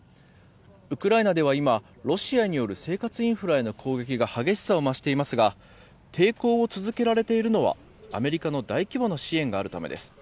ウクライナでは今、ロシアによる生活インフラへの攻撃が激しさを増していますが抵抗を続けられているのはアメリカの大規模な支援があるためです。